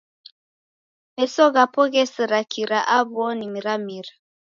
Meso ghape ghesera kira aw'ona miramira.